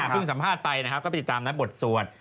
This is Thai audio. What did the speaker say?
สัมภาษณ์ไปนะครับก็ไปติดตามนะบทสวด